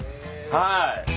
はい。